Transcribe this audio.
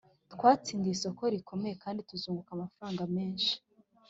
Twatsindiye isoko rikomeye kandi tuzunguka amafaranga menshi